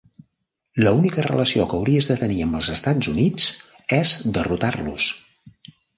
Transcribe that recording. L'única relació que hauries de tenir amb els Estats Units és derrotar-los!